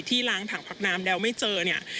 ล้างถังพักน้ำแล้วไม่เจอเนี่ย